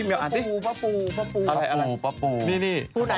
เนี่ยนี่พี่มีลอ่านสิ